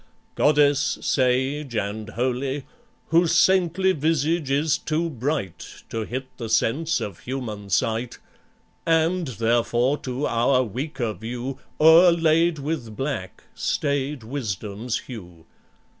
goddess, sage and holy, Whose saintly visage is too bright To hit the sense of human sight, And, therefore, to our weaker view O'erlaid with black, staid Wisdom's hue.